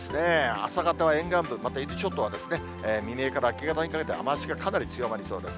朝方は沿岸部、また伊豆諸島は未明から明け方にかけて、雨足がかなり強まりそうです。